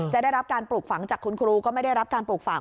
ได้รับการปลูกฝังจากคุณครูก็ไม่ได้รับการปลูกฝัง